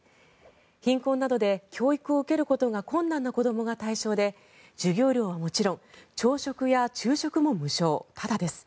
貧困などで教育を受けることが困難な子どもが対象で授業料はもちろん朝食や昼食も無償、タダです。